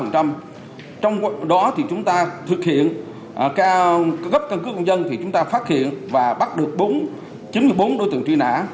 trong đó thì chúng ta thực hiện cấp căn cứ công dân thì chúng ta phát hiện và bắt được chín mươi bốn đối tượng tri nã